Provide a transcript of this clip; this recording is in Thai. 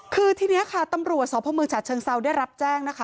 คือทีนี้ค่ะตำรวจสพเมืองฉะเชิงเซาได้รับแจ้งนะคะ